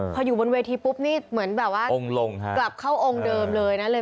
พออยู่บนเวทีปุ๊บนี่เหมือนแบบว่ากลับเข้าองค์เดิมเลยนะ